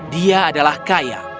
dia adalah kaya